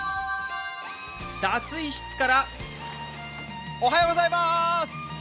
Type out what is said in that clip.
脱衣室から、おはようございます。